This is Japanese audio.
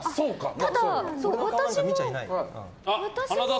ただ、私も。